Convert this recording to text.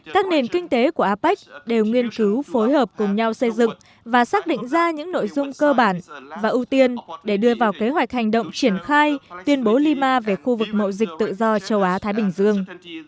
các nền kinh tế của apec đều nghiên cứu phối hợp cùng nhau xây dựng và xác định ra những nội dung cơ bản và ưu tiên để đưa vào kế hoạch hành động triển khai tuyên bố lima về khu vực mậu dịch tự do châu á thái bình dương